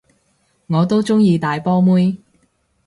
我都鍾意大波妹